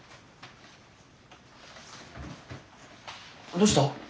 どうした？